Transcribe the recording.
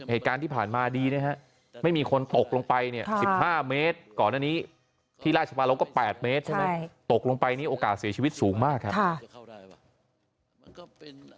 เหตุการณ์ที่ผ่านมาดีไม่มีคนตกลงไป๑๕เมตรก่อนอันนี้ที่ราชิบาลงก็๘เมตรตกลงไปโอกาสเสียชีวิตสูงมากครับ